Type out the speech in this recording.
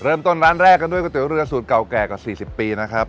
เริ่มต้นร้านแรกกันด้วยก๋วเรือสูตรเก่าแก่กว่า๔๐ปีนะครับ